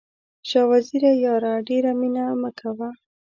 شاه وزیره یاره ډېره مینه مه کوه.